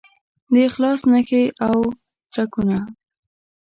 د اخلاص نښې او څرکونه